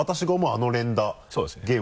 あの連打ゲーム？